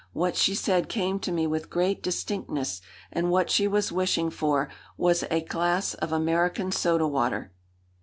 What she said came to me with great distinctness, and what she was wishing for was a glass of American soda water!